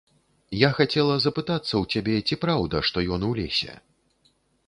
Я хацела запытацца ў цябе, ці праўда, што ён у лесе.